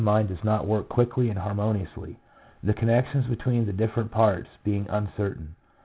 75 mind does not work quickly and harmoniously, the connections between the different parts being un certain.